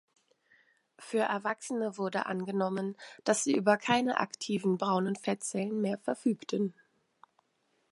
Für Erwachsene wurde angenommen, dass sie über keine aktiven braunen Fettzellen mehr verfügten.